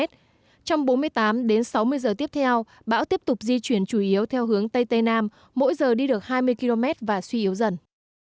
trong bốn mươi tám đến sáu mươi giờ tiếp theo bão tiếp tục di chuyển chủ yếu theo hướng tây tây nam mỗi giờ đi được hai mươi km và suy yếu dần